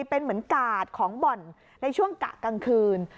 เป็นเหมือนกาดของบ่อนในช่วงกะกลางคืน